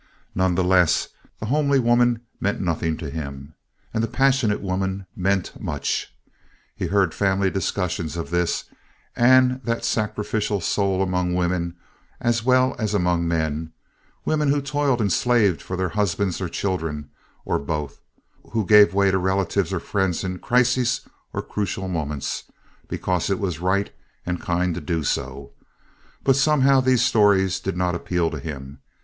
None the less, the homely woman meant nothing to him. And the passionate woman meant much. He heard family discussions of this and that sacrificial soul among women, as well as among men—women who toiled and slaved for their husbands or children, or both, who gave way to relatives or friends in crises or crucial moments, because it was right and kind to do so—but somehow these stories did not appeal to him.